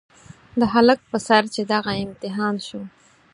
د هلک په سر چې دغه امتحان شو.